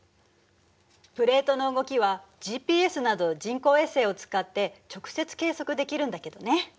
プレートの動きはＧＰＳなど人工衛星を使って直接計測できるんだけどね。